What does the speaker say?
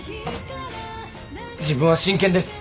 自分は真剣です。